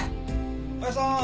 おやっさん！